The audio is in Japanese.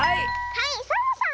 はいサボさん！